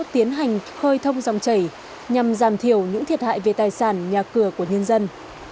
tiến hành khơi thông dòng chảy nhằm giảm thiểu những thiệt hại về tài sản nhà cửa của nhân dân